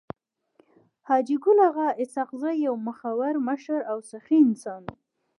حاجي ګل اغا اسحق زی يو مخور مشر او سخي انسان وو.